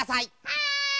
はい！